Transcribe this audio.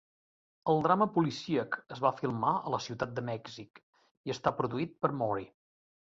El drama policíac es va filmar a la ciutat de Mèxic i està produït per Mori.